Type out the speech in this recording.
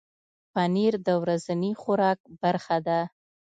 پنېر د ورځني خوراک برخه ده.